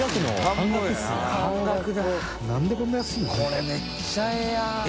これめっちゃええやん。